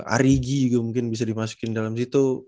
arigi juga mungkin bisa dimasukin dalam situ